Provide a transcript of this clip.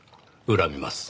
恨みます。